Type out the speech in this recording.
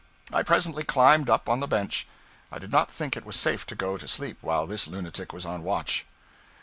I presently climbed up on the bench; I did not think it was safe to go to sleep while this lunatic was on watch.